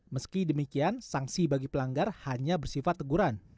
meski demikian sanksi bagi pelanggar hanya bersifat teguran